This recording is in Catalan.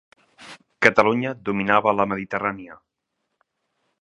Catalunya dominava a la Mediterrània.